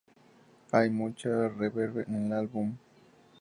Hay mucha reverb en el álbum".